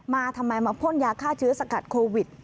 ทำไมมาพ่นยาฆ่าเชื้อสกัดโควิด